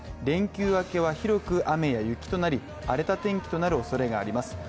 連休明けは広く雨や雪となり、荒れた天気となるおそれがあります。